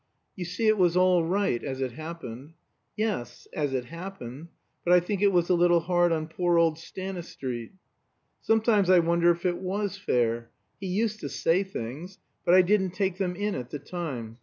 "You see it was all right, as it happened." "Yes as it happened. But I think it was a little hard on poor old Stanistreet." "Sometimes I wonder if it was fair. He used to say things; but I didn't take them in at the time.